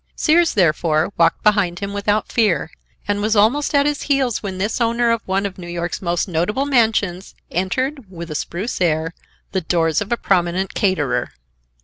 Sears, therefore, walked behind him without fear, and was almost at his heels when this owner of one of New York's most notable mansions, entered, with a spruce air, the doors of a prominent caterer.